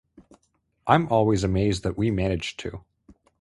I'm always amazed that we managed to.